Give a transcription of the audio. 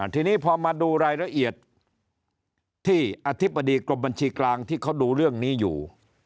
ทีนี้พอมาดูรายละเอียดที่อธิบดีกรมบัญชีกลางที่เขาดูเรื่องนี้อยู่